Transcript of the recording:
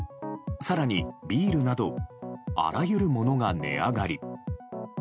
更にビールなどあらゆるものが値上がり。